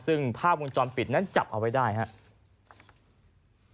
ซึ่งภาพวงจรปิดนั้นจับเอาไว้ได้ครับ